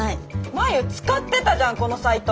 真夕使ってたじゃんこのサイト。